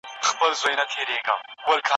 پلونه یې بادونو له زمان سره شړلي دي